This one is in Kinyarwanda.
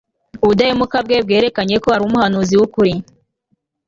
ubudahemuka bwe bwerekanye ko ari umuhanuzi w'ukuri